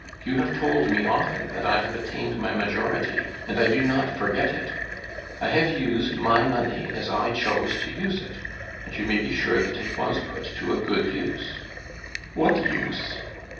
You have told me often that I have attained my majority, and I do not forget it. I have used my money as I chose to use it, and you may be sure that it was put to a good use " "What use?"